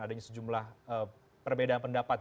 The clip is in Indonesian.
adanya sejumlah perbedaan pendapat